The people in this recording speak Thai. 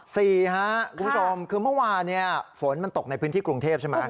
คุณผู้ชมคือเมื่อวานเนี่ยฝนมันตกในพื้นที่กรุงเทพใช่ไหม